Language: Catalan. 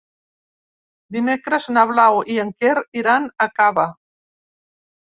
Dimecres na Blau i en Quer iran a Cava.